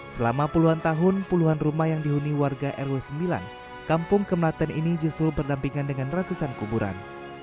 selama puluhan tahun puluhan rumah yang dihuni warga rw sembilan kampung kemelaten ini justru berdampingan dengan ratusan kuburan